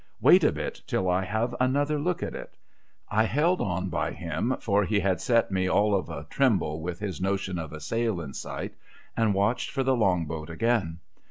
Wait a bit, till I have another look at it.' I held on by him, for he had set me all of a tremble with his notion of a sail in sight, and watched for the Long boat again.